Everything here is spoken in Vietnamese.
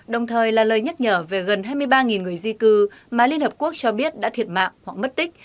đồng thời là lời nhắc nhở về gần hai mươi ba người di cư mà liên hợp quốc cho biết đã thiệt mạng hoặc mất tích